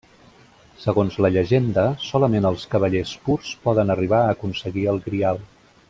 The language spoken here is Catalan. Segons la llegenda, solament els cavallers purs poden arribar a aconseguir el Grial.